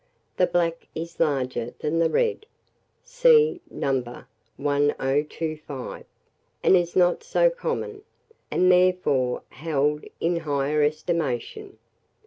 The black is larger than the red (see No. 1025), and is not so common, and therefore held in higher estimation.